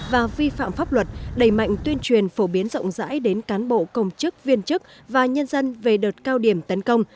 và vi phạm pháp luật đẩy mạnh tuyên truyền phổ biến rộng rãi đến cán bộ công chức viên chức và nhân dân về đợt cao điểm tấn công